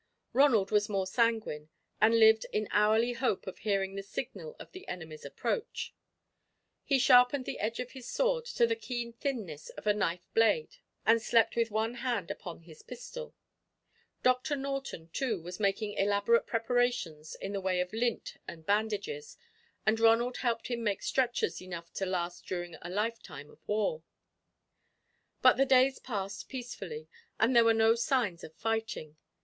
Ronald was more sanguine, and lived in hourly hope of hearing the signal of the enemy's approach. He sharpened the edge of his sword to the keen thinness of a knife blade, and slept with one hand upon his pistol. Doctor Norton, too, was making elaborate preparations in the way of lint and bandages, and Ronald helped him make stretchers enough to last during a lifetime of war. But the days passed peacefully, and there were no signs of fighting.